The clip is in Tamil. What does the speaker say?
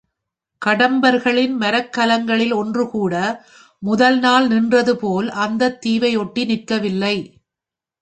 கடம்பர்களின் மரக்கலங்களில் ஒன்றுகூட முதல்நாள் நின்றதுபோல் அந்தத் தீவை ஒட்டி நிற்கவில்லை.